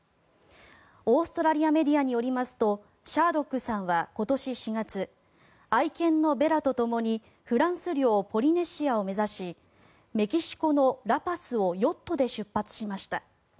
オーストラリアメディアによりますとシャードックさんは今年４月、愛犬のベラとともにフランス領ポリネシアを目指しメキシコのラパスをヨットで出発しました。